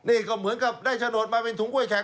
นี่ก็เหมือนกับได้โฉนดมาเป็นถุงก้วยแขก